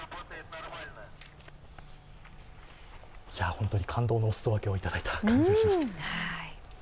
本当に感動のお裾分けをいただいた感じがします。